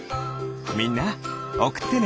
みんなおくってね。